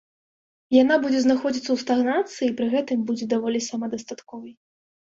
Яна будзе знаходзіцца ў стагнацыі і пры гэтым будзе даволі самадастатковай.